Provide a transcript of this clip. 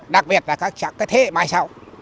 đặc biệt là các thế hệ mai sau